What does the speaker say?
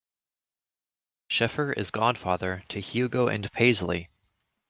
Sheffer is godfather to Hugo and Paisley.